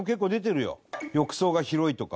「浴槽が広い」とか。